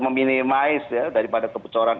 meminimais daripada kepecoran